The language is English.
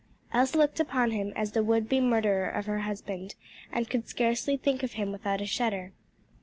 Elsie looked upon him as the would be murderer of her husband, and could scarcely think of him without a shudder.